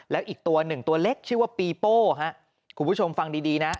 แล้วอีกตัวหนึ่งตัวเล็กชื่อว่าปีโป้ฮะคุณผู้ชมฟังดีดีนะ